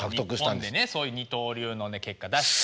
日本でねそういう二刀流の結果出して。